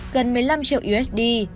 gần một mươi năm triệu usd